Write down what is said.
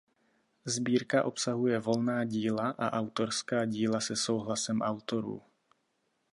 Sbírka obsahuje volná díla a autorská díla se souhlasem autorů.